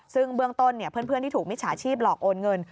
ซึ่งเบื้องต้นเพื่อนที่ถูกมิจฉาชีพหลอกโอนเงิน